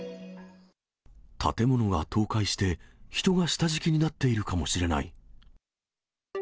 建物が倒壊して、人が下敷きになっているかもしれない。